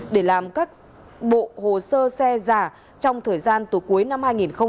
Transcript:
để làm các bộ hồ sơ xe giả trong thời gian từ cuối năm hai nghìn một mươi tám